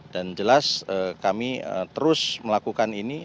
dan jelas kami terus melakukan ini